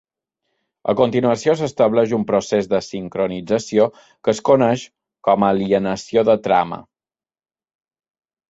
A continuació s'estableix un procés de sincronització, que es coneix com a alineació de trama.